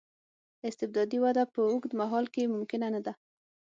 استبدادي وده په اوږد مهال کې ممکنه نه ده.